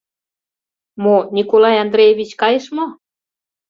Мо, Николай Андреевич кайыш мо?